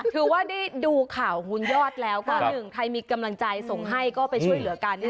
คือว่าได้ดูข่าวคุณยอดแล้วก็หนึ่งใครมีกำลังใจส่งให้ก็ไปช่วยเหลือกัน